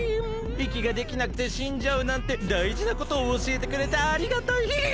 いきができなくてしんじゃうなんてだいじなことをおしえてくれてありがたいヒン！